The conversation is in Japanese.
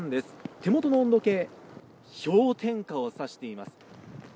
手元の温度計、氷点下を指しています。